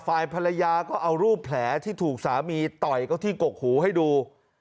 ฝ่ายภรรยาก็เอารูปแผลที่ถูกสามีต่อยเขาที่กกหูให้ดู